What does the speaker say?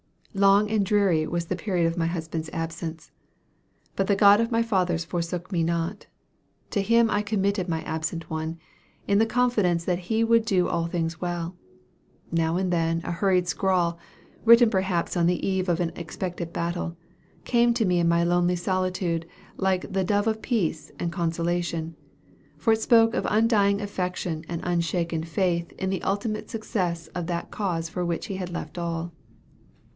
"Long and dreary was the period of my husband's absence; but the God of my fathers forsook me not. To Him I committed my absent one, in the confidence that He would do all things well. Now and then, a hurried scrawl, written perhaps on the eve of an expected battle, came to me in my lonely solitude like the 'dove of peace' and consolation for it spoke of undying affection and unshaken faith in the ultimate success of that cause for which he had left all.